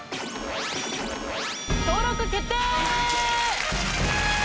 登録決定！